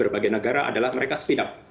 bagi negara adalah mereka speed up